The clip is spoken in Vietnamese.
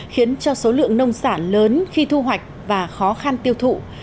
khiến cho số lượng nông sản lớn khi thu hoạch và khó khăn tiêu thụ